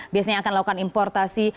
biasanya akan melakukan importasi